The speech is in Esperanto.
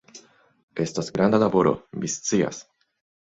Estas granda laboro, mi scias.